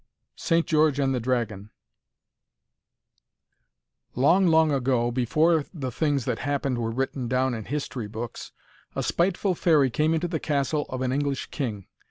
II ST. GEORGE AND THE DRAGON Long, long ago, before the things that happened were written down in history books, a spiteful fairy came into the castle of an English king.